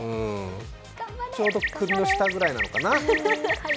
ちょうど首の下ぐらいなのかな。